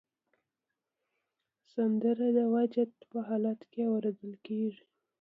سندره د وجد په حالت کې اورېدل کېږي